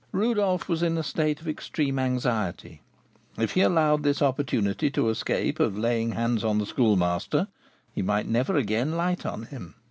Rodolph was in a state of extreme anxiety; if he allowed this opportunity to escape of laying hands on the Schoolmaster, he might never again light on him.